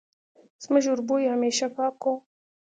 زموږ وربوی همېشه پاک وو